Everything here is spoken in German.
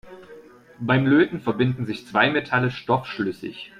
Beim Löten verbinden sich zwei Metalle stoffschlüssig.